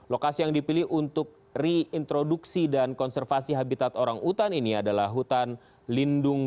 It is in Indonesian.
lokasi yang dipilih untuk reintroduksi dan konservasi habitat orang hutan ini adalah hutan lindung